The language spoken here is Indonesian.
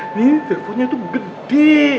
ini teleponnya tuh gede